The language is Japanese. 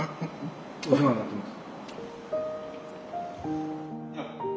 お世話になってます。